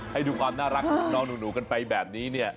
ให้ดูความน่ารักของน้องหนูกันไปแบบนี้เนี่ย